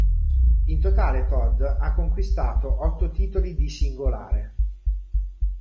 In totale Todd ha conquistato otto titoli di singolare.